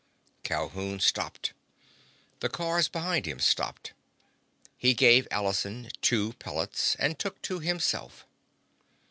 Calhoun stopped. The cars behind him stopped. He gave Allison two pellets and took two himself.